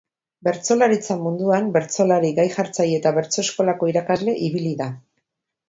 Bertsolaritza munduan, bertsolari, gai jartzaile eta bertso-eskolako irakasle ibili da.